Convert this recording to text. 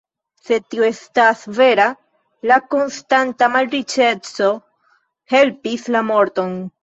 Se tio estas vera, la konstanta malriĉeco helpis la morton.